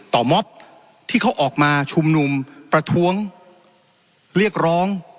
ม็อบที่เขาออกมาชุมนุมประท้วงเรียกร้อง